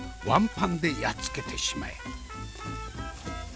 ワンパンでやっつけてしまえ。